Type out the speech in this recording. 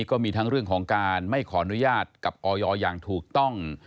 ก็มีทั้งเรื่องของการไม่ขออนุญาตกับออยอย่างถูกต้อง